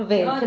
về chứng nhận